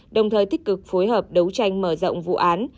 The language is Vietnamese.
đồng thời tích cực phối hợp đấu tranh mở rộng vụ án